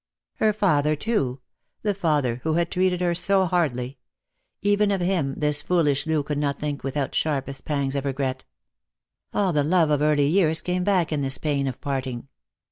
Her father, too— the father who had treated her so hardly ! Even of him this foolish Loo could not think without sharpest pangs of regret. All the love of early years came back in this pain of parting.